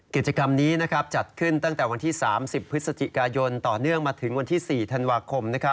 กิจกรรมนี้จัดขึ้นตั้งแต่วันที่๓๐พฤศจิกายนต่อเนื่องมาถึงวันที่๔ธันวาคม